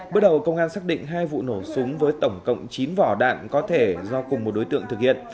bước đầu công an xác định hai vụ nổ súng với tổng cộng chín vỏ đạn có thể do cùng một đối tượng thực hiện